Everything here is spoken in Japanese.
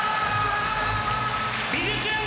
「びじゅチューン！